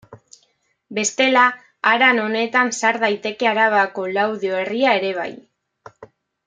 Bestela, haran honetan sar daiteke Arabako Laudio herria ere bai.